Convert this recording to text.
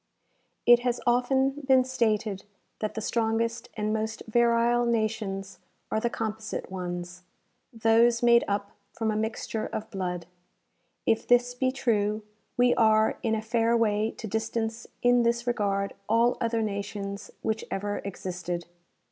It has often been stated that the strongest and most virile nations are the composite ones, those made up from a mixture of blood. If this be true, we are in a fair way to distance in this regard all other nations which ever existed.